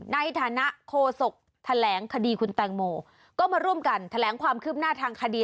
ในฐานะโคศกแถลงคดีคุณแตงโมก็มาร่วมกันแถลงความคืบหน้าทางคดี